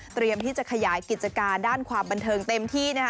ที่จะขยายกิจการด้านความบันเทิงเต็มที่นะคะ